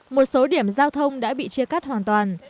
một số điểm giao thông đã bị chia cắt hoàn toàn